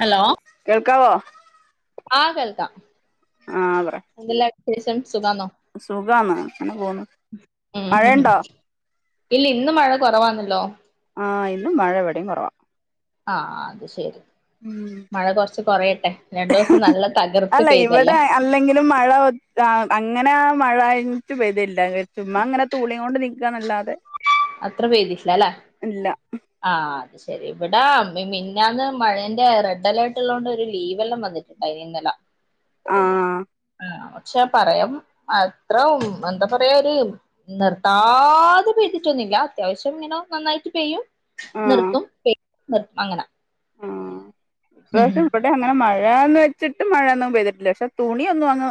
Hello കേൾക്കാവോ ആഹ് കേൾക്കാം ആഹ് പറ എന്തെല്ലാ വിശേഷം സുഖാന്നോ സുഖാന്ന് അങ്ങനെ പോന്ന് മഴണ്ടോ ഇല്ലേ ഇന്നും മഴ കൊറവാണല്ലോ. ആഹ് ഇന്നും മഴ ഇവടിം കൊറവാ. ആഹ് അത് ശരി ഉം മഴ കൊർച്ച് കൊറയട്ടെ. രണ്ടോസം നല്ല തകർത്ത് അല്ല പെയ്തല്ലേ. ഇവിടെ അല്ലെങ്കിലും മഴ അങ്ങനെ ആ മഴായിട്ട് പെയ്തില്ല ചുമ്മാങ്ങനെ തുൂളിങ്ങോണ്ട് നിക്ക്ആ ന്നല്ലാതെ അത്ര പെയ്ത്ട്ടില്ലാലെ ഇല്ല ആഹ് അ ശേരി ഇവിടാ മി മിന്നാന്ന് മഴന്റെ റെഡ് അലേർട്ട് ള്ളോൻണ്ട് ഒരു ലീവല്ലാം വന്നിട്ടുണ്ടായിനി ഇന്നല. ആഹ്. ആഹ് പക്ഷെ പറയം എത്ര ഉം എന്താ പറയാ ഒര് നിർത്താതെ പെയ്തിട്ടൊന്നുല്ല്യാ അത്യാവശ്യം ഇങ്ങന നന്നായിട്ട് പെയ്യും. ആഹ് ന്ന്ർത്തും പെയ് ന്ന്ർ അങ്ങനാ. ആഹ് ഇപ്രാവശ്യം ബടെ അങ്ങനെ മഴാന്ന് വെച്ചിട്ട് മഴൊന്നും പെയ്തിട്ടില്ല പക്ഷെ തുണി ഒന്നും അങ്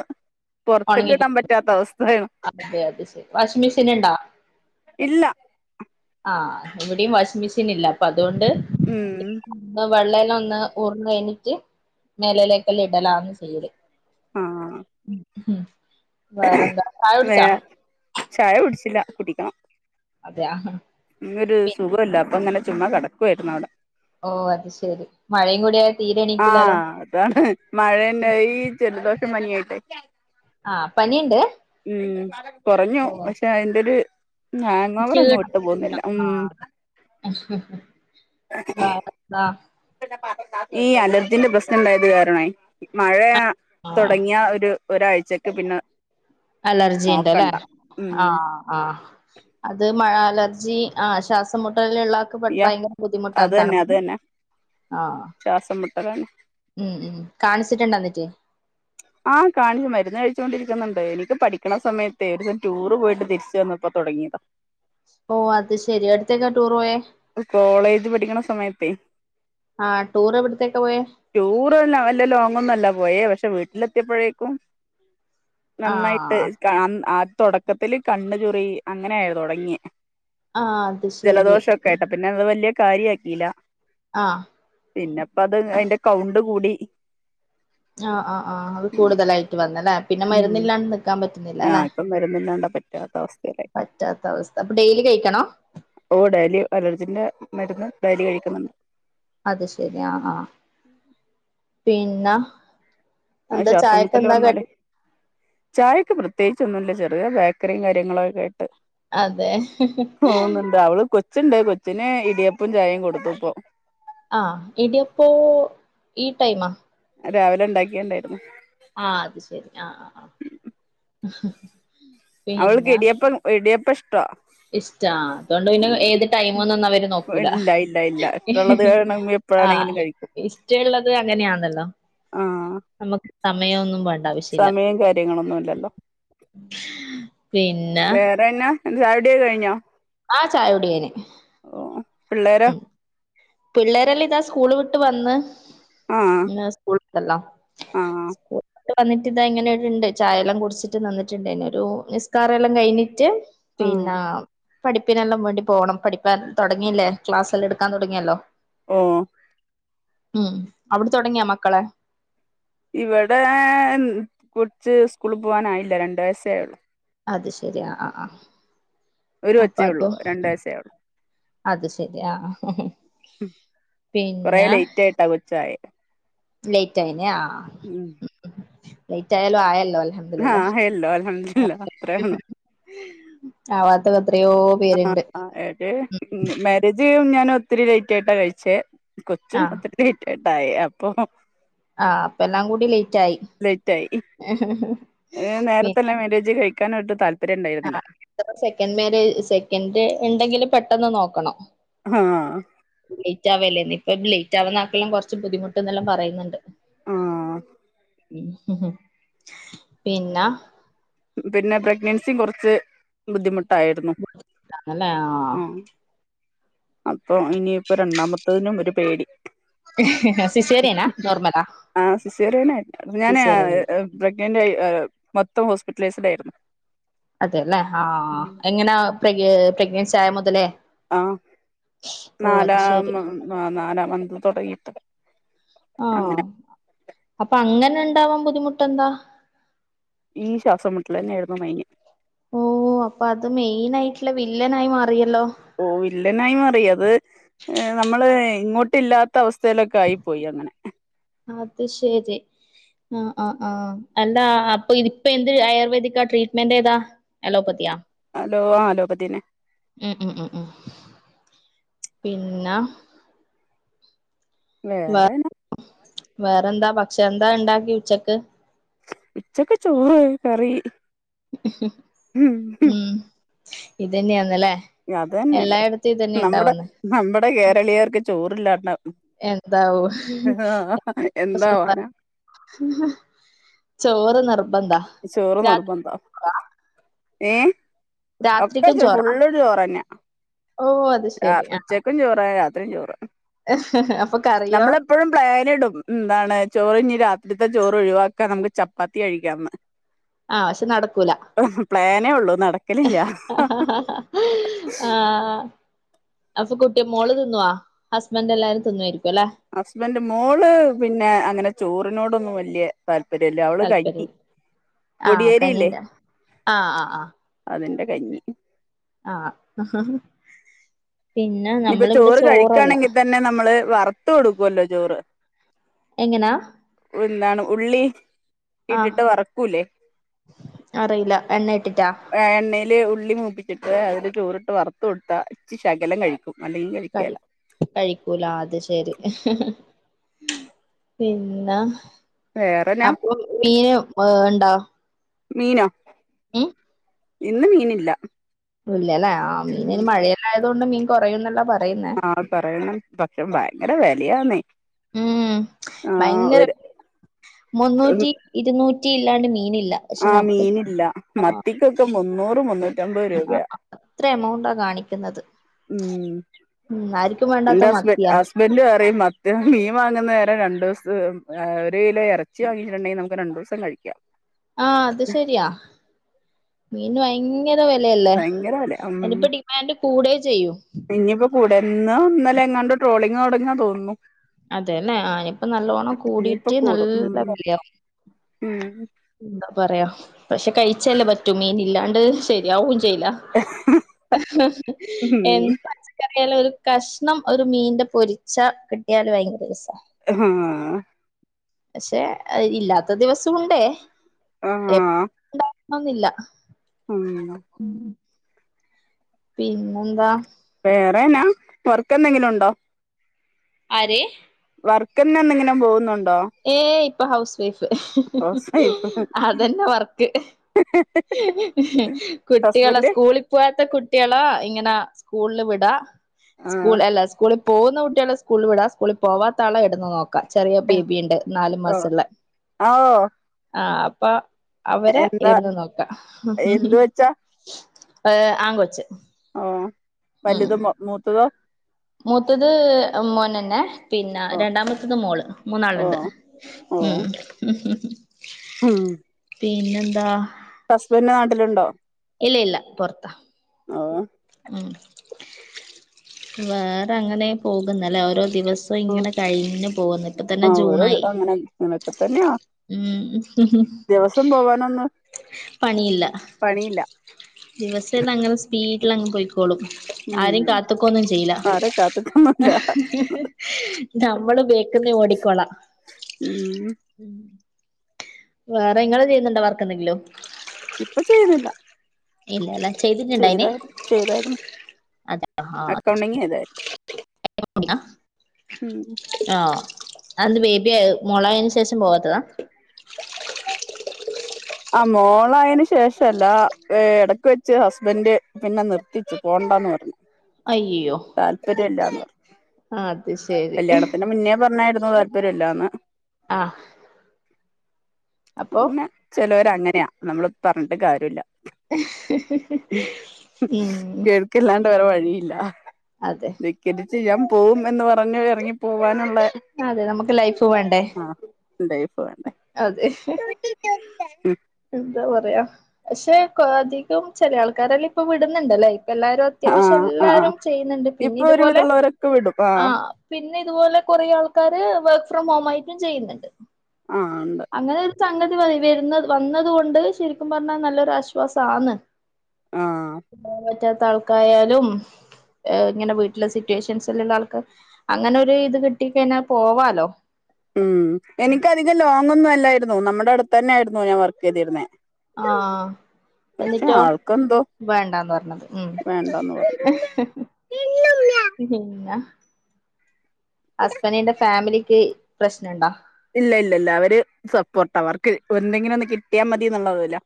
പൊർത്ത്ക്ക് ഉണങ്ങി ഇടാം കിട്ടും പറ്റാത്ത അവസ്ഥയാ അതെ അത് ശരി വാഷിംഗ് മെഷീൻ ഉണ്ടോ ഇല്ലാ ആഹ് ഇവിടേം വാഷിംഗ് മെഷീന് ഇല്ല അപ്പൊ അത്കൊണ്ട് ഉം വെള്ളല്ലാം ഒന്ന് ഊർന്ന് കയ്ഞ്ഞിറ്റ് മേലയിലേക്കെല്ലം ഇടലാന്ന് ചെയ്യല്. ആഹ് ഉം. വേറെന്താ ചായ വേ കുടിച്ചാ ചായ കുടിച്ചില്ല കുടിക്കണം. അതെയാ. ഇന്നൊരു പി സുഖല്ലാ അപ്പൊ ഇങ്ങനെ ചുമ്മാ കിടക്കുവായിര്ന്നു അവടെ. ഓഹ് അത് ശെരി മഴയും കൂടി ആയ തീരെ എണീക്കൂലാലോ ആഹ് അതാണ്. മഴന്നെ ഈ ജലദോഷം പനിയായിട്ടെ. ആഹ് പനീണ്ട്. ഉം കൊറഞ്ഞു പക്ഷെ അയിന്റെര് ഷീണം ഷീണം ആഹ് [unintelligible] ആഹ്. ഈ അലർജിന്റെ പ്രശ്നം ണ്ടായത് കാരണെയ് മഴാ ആഹ് തൊടങ്ങിയാ ഒര് ഒരാഴ്ചക്ക് പിന്നാ അലർജിണ്ട് ലെ ഉം ആഹ്. ആഹ്, അത് മഴ അലർജി ആഹ് ശ്വാസംമുട്ടല്ള്ള ക്ക് ഭ യാ ഭയങ്കര അത് ബുദ്ധിമുട്ടാണ് തന്നെ അത് തണുപ്പ് തന്നെ ആഹ്. ശ്വാസം മുട്ടലാണ് ഉം ഉം കാണിച്ച്ട്ട്ണ്ടാ ന്നിട്ട്? ആഹ്, കാണിച്ചു മരുന്ന് കഴിച്ചോണ്ടിരിക്കുന്നുണ്ട് എനിക്ക് പഠിക്ക്‌ണ സമയത്തേയ് ഒരു സം ടൂറ് പോയിട്ട് തിരിച്ച് വന്നപ്പ തൊടങ്ങിയതാ. ഓഹ് അത് ശെരി എവ്ടുത്തേക്കാ ടൂർ പോയേ? കോളേജ് പഠിക്ക്‌ണ സമയത്തേയ്. ആ ടൂർ എവിടത്തേക്കാ പോയേ ടൂറ് ല്ല വല്ല ലോങ്ങൊന്നും അല്ല പോയേ പക്ഷെ വീട്ട്ലെത്തിയപ്പോഴേക്കും ആ നന്നായിട്ട് സ്ക്കാം അൻ ആഹ് തൊടക്കത്തില് കണ്ണ് ചൊറി അങ്ങനേ തൊടങ്ങിയെ. ആഹ് അത് ശെരി. കേട്ടപ്പോ പിന്നെ അത്‌ വല്ല്യ കാര്യ ആക്കീലാ. ആഹ് പിന്നെപ്പ അത് അയിന്റെ കൗണ്ട് കൂടി. ആഹ് ആഹ് ആഹ് അത് കൂടുതലായിട്ട് വന്നല്ലേ, പിന്നെ മരുന്നില്ലാണ്ട് ന്ക്കാൻ പറ്റുന്നില്ലാലെ. മരുന്നില്ലാണ്ട് പറ്റാത്ത അവസ്ഥയിലായി. പറ്റാത്ത അവസ്ഥ, അപ്പൊ ഡെയിലി കയ്ക്കണോ? ഓഹ് ഡയലി അലർജിന്റെ മരുന്ന് ഡയലി കഴിക്കുന്നുണ്ട്. അത് ശെരി ആഹ് ആഹ് പിന്ന ആ എന്താ ശ്വാസം മുട്ടല് ചായക്കെന്താ വന്നാലേ കടി? ചായക്ക് പ്രത്യേകിച്ചൊന്നും ല്ല. ചെറിയ ബേക്കറിയും കാര്യങ്ങളൊ ഒക്കെ ആയിട്ട്. അതെ ഓഹ് ന്ന്ണ്ട് അവള് കൊച്ച് ണ്ട്. കൊച്ചിന് ഇടിയപ്പും ചായയും കൊടുത്തുപ്പൊ. ആഹ് ഇടിയപ്പോ ഈ ടൈമാ. രാവിലെ ഇണ്ടാക്കിയെ ഇണ്ടായിരുന്നു. ആഹ് അത് ശെരി ആഹ് ആഹ് ആഹ്. അവൾക്ക് ഇടിയപ്പം ഇടിയപ്പ ഇഷ്ടാ ഇഷ്ടാ. ആഹ്അതുകൊണ്ട് പിന്നെ ഏത് ടൈമാന്നൊന്നും അവര് നോക്കൂല. അത് കാരണം എപ്പഴാണെങ്കിലും കഴിക്കും. റ്റേള്ളത് അങ്ങനെയാണല്ലോ. ആഹ് നമുക്ക് സമയ ഒന്നും [unintelligible] സമയം കാര്യങ്ങളൊന്നുംല്ലല്ലോ. പിന്നെ വേറെന്നാ? അൻ്റെ ചായുട്യൊക്കെ കഴിഞ്ഞോ? ആഹ് ചായ കുടി കയ്ന്. ഓഹ്. പിള്ളേരോ? പിള്ളേരെല്ലാം ഇതാ സ്കൂള് വിട്ട് വന്ന് ആഹ് ഇന്ന് സ്കൂൾ [unintelligible] ല്ലാം ആഹ് സ്കൂൾ ട്ട് വന്നിട്ട്താ ഇങ്ങനെടെണ്ട്. ചായയെല്ലാം കുടിച്ചിട്ട് നിന്നിട്ട്ണ്ടായ്നൊരു നിസ്കാരം എല്ലാം കഴിഞ്ഞിട്ട് ആഹ് പിന്നാ പഠിപ്പിനെല്ലാം വേണ്ടി പോണം. പഠിപ്പാൻ തുടങ്ങിയില്ലേ ക്ലാസ് എല്ലാം എടുക്കാൻ തുടങ്ങിയല്ലോ. ഓഹ് ഉം അവിടെ തുടങ്ങിയാ മക്കള്? ഇവടെ കൊച്ച് സ്കൂളി പോവാനായില്ലാ രണ്ട് വയസ്സേ ആയൊള്ളൂ. അത് ശരി ആഹ് ആഹ്. ഒരു കൊച്ചേ ഉള്ളൂ രണ്ട് വയസേ ആയുള്ളൂ. അത് ശരി ആ ആ. കൊറെ പിന്നെ ലേറ്റ് ആയിട്ടാ കൊച്ചായേ. ലേറ്റ് ആയിന്യാ ആഹ് ആഹ്. ഉം ലേറ്റായാലും ആയല്ലോ അൽഹം ആഹ്യല്ലോ അൽഹംദുലില്ലാ അത്രേ ഒണു. ആവാത്ത ഇപെത്രയോ ആഹ് ആയത് മാരേജ് ഞാൻ ഒത്തിരി ലേറ്റ് ആയിട്ടാ കഴിച്ചേ. ആ കൊച്ചും ഒത്തിരി ലേറ്റായിട്ടാ ആയെ അപ്പൊ ആഹ് അപ്പ എല്ലാം കൂടി ലേറ്റ് ആയി. ലേറ്റ് പിന്നെ ഇപ്പെന്നെ മേരേജ് കഴിക്കാൻ ഒരു താല്പര്യണ്ടായിരുന്നില്ല. ആ സെക്കൻഡ് മേര് സെക്കൻഡ് ഇണ്ടെങ്കില് പെട്ടെന്ന് നോക്കണം. ഹാഹ്. ലേറ്റ് ആവല്ലേന്ന്. ഇപ്പം ലേറ്റ് ആവുന്ന ആക്കെല്ലാം കുറച്ച് ബുദ്ധിമുട്ട്ന്നെല്ലാം പറയുന്നുണ്ട്. ആഹ്. ഉം ഉഹും. പിന്ന പിന്നെ പ്രഗ്നൻസി കുറച്ച് ബുദ്ധിമുട്ടായിരുന്നു. അല്ല ആഹ് അപ്പം ഇനിയിപ്പ രണ്ടാമത്തതിനും ഒരു പേടി. സിശേറിയനാ നോർമലാ? ആഹ് സിസറേനായിരുന്നു ഞാന് സിസേറിയൻ പ്രഗ്നന്റ് ആയി ഏഹ് മൊത്തം ഹോസ്പിറ്റലൈസ്ഡ് ആയിരുന്നു. അതെല്ലേ ആഹ് എങ്ങനാ പ്രെഗ് പ്രഗ്നൻസി ആയ മുതലേ. ആഹ് ഓ അത് നാലാ ശരി നാലാം മന്ത് തൊടങ്ങീട്ട് ആഹ് അപ്പ അങ്ങനെ ഇണ്ടാവാം ബുദ്ധിമുട്ടെന്താ ഈ ശ്വാസം മുട്ടലന്നേയ്ന്നു മൈന് ഓഹ് അപ്പ അത് മെയിൻ ആയിട്ടുള്ള വില്ലനായി മാറിയല്ലോ ഓ വില്ലനായി മാറി അത് ഏ നമ്മള് ഇങ്ങോട്ട് ഇല്ലാത്ത അവസ്ഥയിലൊക്കെ ആയി പോയി അങ്ങനെ അത് ശരി ആ ആ് ആഹ് അല്ല അപ്പൊ ഇപ്പെ എന്ത് ആയുർവേദിക്കാ ട്രീറ്റ്മെന്റ് ഏതാ എലോപതിയാ. ഹലോ ആഹ് അലോപതീയന്നെ ഉം ഉം ഉം ഉം പിന്നാ വേ വേറെന വേറെന്താ പക്ഷെ എന്താ ഉണ്ടാക്കി ഉച്ചക്ക്. ഉച്ചക്ക് ചോറ്, കറി. ഉം ഇതന്നെയാന്നല്ലേ. അത് തന്നെയല്ലേ എല്ലായിടത്തും ഇ തന്നെ നമ്മുടെ ഇണ്ടാവന്ന്. നമ്മുടെ കേരളീയർക്ക് ചോറ്ഇല്ലാണ്ട. എന്താവും എന്താവാനാ [unintelligible] ചോറ് നിർബന്ധാ ചോറ് നിർബന്ധം ഏ ഒക്കെ രാത്രിക്കും ചോ ചോറാ ഫുള്ള്ചോറ്ന്നെ ഓ അത് ആ ശരി ഉച്ചക്കും ചോറാ രാത്രിയും ചോറ് അപ്പൊ കറിയോ? എപ്പോഴും പ്ലാനിടും ന്താണ് ചോറിനി രാത്രിത്തെ ചോറ് ഒഴിവാക്കാ നമുക്ക് ചപ്പാത്തി കഴിക്കാന്ന്. ആഹ് പക്ഷെ നടക്കൂല. പ്ലാനേ ഒള്ളൂ നട ആ ആഹ് ആഹാ അപ്പൊ കുട്ടിയെ മോള് തിന്നുവോ ഹസ്ബൻ് എല്ലാരും തിന്നുവായിരിക്കും ല്ലെ. ഹസ്ബന്ഡ് മോള് പിന്നെ അങ്ങനെ ചോറിനോടൊന്നും വല്ലിയേ താല്പര്യല്ല അവള് കഞ്ഞി താല്പര്യം ആഹ് പൊടിയേരിയില്ലേ. കനിണ്ട് ആഹ് ആഹ് ആഹ് അതിന്റെ കഞ്ഞി. ആഹ് ഹും. ഇനിയിപ്പ ചോറ് ചോറല്ല കഴിക്കാണെങ്കിൽ തന്നെ നമ്മള് വറുത്ത് കൊടുക്കൂല്ല ചോറ്. എങ്ങനാ എന്താണ് ഉള്ളി ആഹ ഇട്ടിട്ട് വറക്കൂലേ അറിയില്ല എണ്ണ ഇട്ടിട്ടാ എണ്ണയില് ഉള്ളി മൂപ്പിച്ചിട്ട് അതില് ചോറിട്ട് വറുത്ത് കൊടുത്ത ശകലം കഴിക്കും അല്ലങ്ക കഴി കഴിക്കൂല അത് ശരി പിന്ന വേറെന്നാ അപ്പൊ മീന ഏഹ് ണ്ടാ മീനോ മ് ഇന്ന് മീന് ഇല്ല ഇല്ലല്ലേ ആ മീൻന് മഴയല്ലായത് കൊണ്ട് മീൻ കുറയുംന്നല്ല പറയുന്നേ അഅ് പറയണം പക്ഷെ ഭയങ്കര വെലയാന്നേ ഊം ഭയങ്ങര മുന്നൂറ്റി ഇരുന്നൂറ്റി ഇല്ലാണ്ട് മീനില്ല. പക്ഷെ ആഹ് നമ്മള് മീനില്ല മത്തിക്കൊക്കെ മുന്നൂറും മുന്നൂ ആഹ് അത്ര എമൗണ്ടാ കാണിക്കുന്നത് ന്നാലും ന്റ ഹസ്ബൻ ഹസ്ബന്റ് പറയും മ ദ മീൻ വാങ്ങുന്നേരം രണ്ടോസം അ ഒരു കിലോ എറച്ചി വാങ്ങിട്ടുണ്ടെങ്കി നമുക്ക് രണ്ടു സം കഴിക്കാം. ആഹ് അത് ശരിയാ മീന്ന് ഭയ ങ്ങര വെലയല്ലേ ഭയങ്കര വിലയാ എനിപ്പടി അയ്ന്റെ കൂടെ ചെയ്യൂ. ഇന്നിപ്പോ കൂടെ ന്നോ ന്നലെ എങ്ങാണ്ട് ട്രോളിങ്ങ് തൊടങ്ങാ തോന്നുന്നു. അതെന്നെ ആ നിപ്പം നല്ലോണം ഇനിയിപ്പ കൂടിട്ട് കൂടും നല്ല വെലയാവും. ഉം എന്താ പറയാ പക്ഷെ കഴിച്ചല്ലേ പറ്റു മീനില്ലാണ്ട് ശരിയാവും ചെയ്യില. ഉം എൻക് പച്ചക്കറി ക്കറിയാലോ ഒരു കഷ്ണം ഒരു മീന്റെ പൊരിച്ച കിട്ടിയാല് ഭയങ്കര രസാ എഹും ആഹ് പക്ഷെ ഇല്ലാത്ത ദിവസൊം ഉണ്ടേ എപൊ ആഹ് ഉണ്ടാകണെന്നില്ല [inaudible] പിന്നെന്താ? വേറെനാ വർക്കെന്തെങ്കിലുണ്ടോ? ആര്? വർക്ക്ന്നെന്നങ്ങിനും പോകുന്നുണ്ടോ? ഏയ് പ്പൊ ഹൗസ് വൈഫ് ഹൗസ് വൈഫ് അതന്നെ വർക്ക്. കുട്ടികളെ ഹസ്ബൻഡ് സ്കൂളി പോവാത്ത കുട്ട്യള ഇങ്ങന സ്കൂൾല് വിടാ സ്കൂൾ ആഹ് അല്ല സ്കൂളി പോകുന്ന കുട്ട്യൾ സ് സ്കൂളിൽ വിടാ സ്കൂളിൽ പോവാത്താളാ ഇട്ന്ന് നോക്കാം ചെറിയ ബേബിണ്ട് നാല് ഓ മാസള്ള ഓ ആഹ് അപ്പൊ അവരെ എന്താ ഇടുന്ന് നോക്കാ എന്ത് വെച്ചാ ഏഹ് ആങ്കൊച്ച് ഓഹ് ഉം വലുത് മൊ മൂത്തതോ? മൂത്തത് എ മോനെന്നെ പിന്ന ഓ രണ്ടാമത്തത് മോള് ഓ മൂന്നാള്ണ്ട്. ഓ ഉം ഉം പിന്നെന്താ? പ്പസ്ബന്റ് നാട്ടില്ണ്ടോ? ഇല്ല ഇല്ല പൊറത്ത അ അ ഉം വേറങ്ങനെ പോകുന്നല്ലേ ഓരോ ദിവസ് പ്പൊ ഓ ഇങ്ങനെ കഴിഞ്ഞു പോകുന്നു ഇപ്പൊ തന്നെ ആ ഓരോ ജൂണായി. അങ്ങനെ അങ്ങനൊക്കെ തന്നെയാ ഉം ദിവസം പോവാനൊന്ന് പണിയില്ല ദിവസെന്നങ്ങനെ സ്പീഡിലങ്ങ് പോയിക്കോളും. ആരെയ് ഉം കാത്ത്ക്കൊന്നും ചെയ്യ്ല. ആരെ കാത്ത്ക്കൊന്നുല്ല ഞമ്മള് ബേക്ക്ന്ന് ഓടിക്കോളാ ഉം വേറെ ഇങ്ങള് ചെയ്യുന്നുണ്ടോ വർക്കെന്തെങ്കിലും? ഇപ്പ ചെയ്യുന്നില്ല. ചെയ്തിട്ടുണ്ടായിന് ചെയ്താരു ചെയ്താരുന്നു. അതെ ആഹ് അക്കൗണ്ടിംങ്ങെയ്തായ് ഉം ആഹ് അതെന്ത് ബേബിയാ മോളായേന് ശേഷം പോവാത്തതാ? ആ മോളായേന് ശേഷവല്ല ഇടക്ക് വെച്ച് ഹസ്ബൻ്റ് പിന്നെ നിർത്തിച്ചു പോണ്ടാന്ന് പറഞ്ഞു അയ്യോ താല്പര്യയില്ലാന്ന് പറഞ്ഞു അത് ശരി കല്യാണത്തിന്റെ മുന്നേ പറഞ്ഞായിരുന്നു താല്പര്യം മില്ലാന്ന് ആഹ് അപ്പൊ അങ്ങന്നെ ചെലോര് അങ്ങനെയാ നമ്മള് പറഞ്ഞിട്ട് കാര്യവില്ല ഉം നിക്കല്ലാണ്ട് വേറെ വഴിയില്ല അതെ ധിക്കരിച്ച് ഞാൻ പോവും എന്ന് പറഞ്ഞു എറങ്ങി പോവാനുള്ളെ അതെ നമുക്ക് ലൈഫ് വേണ്ടേ ലൈഫ് വേണ്ടേ അതെ എന്താ പറയാ പക്ഷെ കൊ അധി കം ചെല ആൾക്കാരെല്ലാം ഇപ്പൊ വിട്ന്ന്ണ്ട് അല്ലേ? ഇപ്പെല്ലാരും അത്യാവിശ്യം ആഹ് ആഹ് എല്ലാരും ചെയ്യുന്നുണ്ട് ഇപ്പൊ പിന്നിതുപോലെ ഒരുവിധമുള്ളവരൊക്കെ വിടും ആഹ് പിന്നെ ഇതുപോലെ കൊറേ ആൾക്കാര് വർക്ക് ഫ്രം ഹോംമായിട്ടും ചെയ്യുന്നുണ്ട് ആഹ് ഉണ്ട് അങ്ങനെ ഒരു സംഗതി വര് വരുന്നത് വന്നത് കൊണ്ട് ശരിക്കും പറഞ്ഞാ നല്ലൊരു ആശ്വാസാന്ന് ആഹ് പോവാൻ പറ്റാത്ത ആൾക്കായാലും ഏഹ് ഇങ്ങനെ വീട്ടിലെ സിറ്റുവേഷൻസ്ല്ല്ള്ള ആൾക്ക് അങ്ങനെ ഒരു ഇത് കിട്ടി കയ്ഞാ പോവാലോ ഉം എനിക്കധികം ലോങ്ങൊന്നും അല്ലായിരുന്നു നമ്മുടെ അടുത്തന്നായിരുന്നു ഞാൻ വർക്ക് ചെയ്തിരുന്നേ ആഹ് പക്ഷെ എന്നിട്ടോ? ആൾക്കെന്തോ വേണ്ടാന്ന് പറഞ്ഞത് ഉം വേണ്ടന്ന് പറഞ്ഞു പിന്നെ ഹസ്ബഡിന്റെ ഫാമിലിക്ക് പ്രശ്നണ്ടോ? ഇല്ല ഇല്ലല്ല അവര് സപ്പോർട്ടാ അവർക്ക് എന്തെങ്കിലൊന്ന് കിട്ടിയാ മതി എന്നുള്ളതില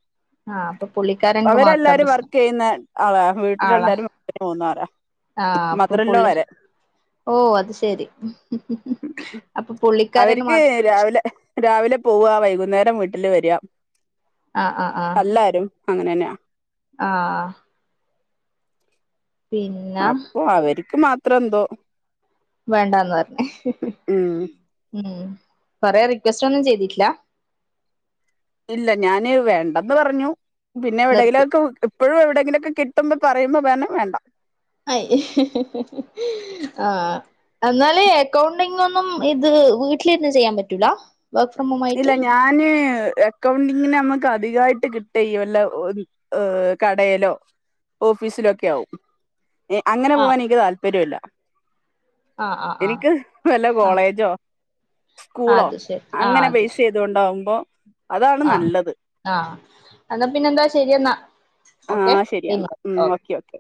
ആഹ് അപ്പൊ പുള്ളിക്കാരൻക്ക് മാത്ര അവരെല്ലാരും പ്രശ്നം വർക്ക് ചെയ്യുന്ന ആളാ ആളാ വീട്ടിലെല്ലാരും വർക്ക് ചെയ്യാൻ പോകുന്നവരാ ആഹ് അപ്പൊ പുള്ളി ഓഹ് അത് ശെരി അപ്പൊ പുള്ളിക്കാരന് മാ ക്കെ രാവിലെ രാവിലെ പോവ്വാ വൈകുന്നേരം വീട്ടില് വെര ആഹ് ആഹ് ആഹ് എല്ലാരും അങ്ങനെ തന്നെയ ആഹ് പിന്നെ അപ്പൊ അവരിക്ക് മാത്രന്തോ വേണ്ടാന്ന് പറഞ് ഉം കൊറേ റിക്വസ്റ്റ് ഒന്നും ചെയ്തിട്ടില്ല? ഇല്ല ഞാന് വേണ്ടെന്ന് പറഞ്ഞു പിന്നെ നിർത്തി എവിടെങ്കിലൊക്കെ ഇപ്പ ഴും എവിടെങ്കിലൊക്കെ കിട്ടുമ്പം പറയുമ്പോ പറഞ്ഞു വേണ്ട അയ് ആഹ് എന്നാല് അക്കൗണ്ടിംങ്ങൊന്നും ഇത് വീട്ടിലിരുന്ന് ചെയ്യാൻ പറ്റൂല വർക്ക് ഫ്രം ഇല്ല ഹോമായിട്ട്? ഞാന് ഏഹ് അക്കൗണ്ടിങ്ങിന് നമ്മക്ക് അധികായിട്ട് കിട്ട ഈ വല്ല ഏഹ് കടേലോ ഓഫീസിലൊക്കെയാവും എഹ് അങ്ങനെ പോവാനെനിക്ക് താല്പര്യവില്ല ആഹ് ആഹ് ആഹ് എനിക്ക് വല്ല കോളേജോ ആഹ് സ്കൂളോ അത് ശരി ആഹ് അങ്ങനെ അത് ശരി ചെയ്ത് കൊണ്ടാവുമ്പോ അതാണ് ആഹ് നല്ലത് ആഹ് എന്നാ പിന്നെന്താ ശരിയെന്ന ആഹ് ശരിയെന്ന ഉം ഓക്കെ ഓക്കെ